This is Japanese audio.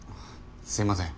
すみません